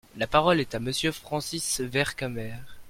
La parole est à Monsieur Francis Vercamer.